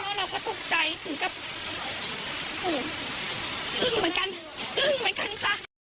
โอ้โหอึ้งเหมือนกันอึ้งเหมือนกันค่ะ